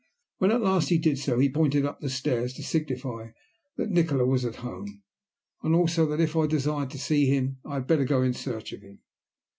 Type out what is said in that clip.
When at last he did so, he pointed up the stairs to signify that Nikola was at home, and also that, if I desired to see him, I had better go in search of him.